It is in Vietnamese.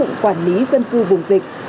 ứng dụng quản lý dân cư vùng dịch